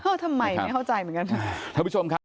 เฮ้อทำไมไม่เข้าใจเหมือนกันนะ